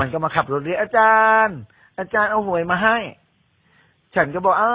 ก็มาขับรถเรียกอาจารย์อาจารย์เอาหวยมาให้ฉันก็บอกเออ